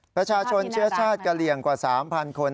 ประชาชนเชื้อชาติกะเหลี่ยงกว่า๓๐๐คน